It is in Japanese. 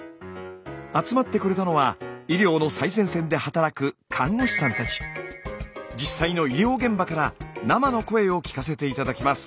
集まってくれたのは医療の最前線で働く実際の医療現場から生の声を聞かせて頂きます。